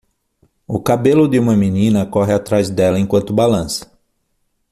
O cabelo de uma menina corre atrás dela enquanto balança